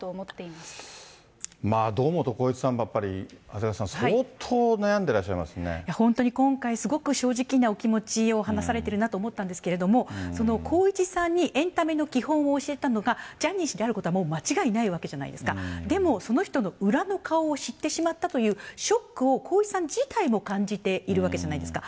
まあ堂本光一さんもやっぱり、長谷川さん、本当に今回、すごく正直なお気持ちを話されてるなと思ったんですけれども、その光一さんにエンタメの基本を教えたのが、ジャニー氏であることはもう間違いないわけじゃないですか、でも、その人の裏の顔を知ってしまったというショックを光一さん自体も感じているわけじゃないですか。